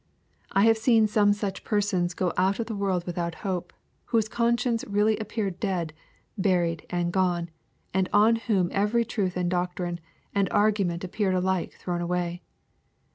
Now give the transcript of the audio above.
I have seen some such persona go out of the world without hopa whose conscience really appeared dead, buried and gone, and on whom every truth and doctrine, and argument appeared alike thrown away.